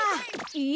え？